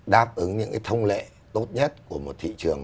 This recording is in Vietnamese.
đáp ứng những cái thông lệ tốt nhất của một thị trường